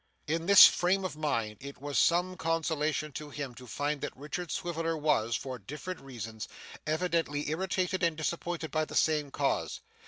In this frame of mind, it was some consolation to him to find that Richard Swiveller was, for different reasons, evidently irritated and disappointed by the same cause.